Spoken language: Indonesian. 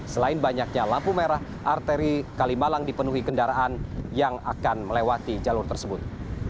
selain banyaknya lampu merah arteri kalimalang dipenuhi kendaraan yang akan melewati jalur tersebut